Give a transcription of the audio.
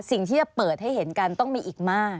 สิ่งที่จะเปิดให้เห็นกันต้องมีอีกมาก